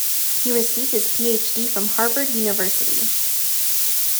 He received his PhD from Harvard University.